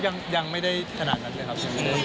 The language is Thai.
ยังไม่ได้ขนาดนั้นเลยครับ